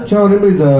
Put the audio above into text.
cho đến bây giờ